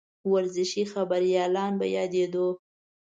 ورزشي خبریالان به یادېدوو.